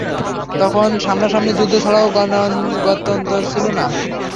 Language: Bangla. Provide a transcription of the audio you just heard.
তখন সামনাসামনি যুদ্ধ ছাড়া গত্যন্তর ছিল না।